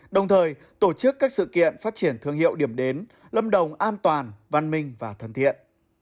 đồng thời tổ chức các sự kiện phát triển thương hiệu điểm đến lâm đồng an toàn văn minh và thân thiện